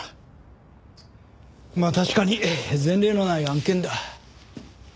まあ確かに前例のない案件だ。